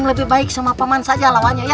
lebih baik sama paman saja ma